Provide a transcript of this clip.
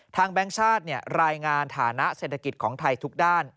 แบงค์ชาติรายงานฐานะเศรษฐกิจของไทยทุกด้าน